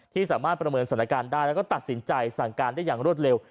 ที่สามารถประเมินสถานการณ์ได้แล้วก็ตัดสินใจสั่งการได้อย่างรวดเร็ว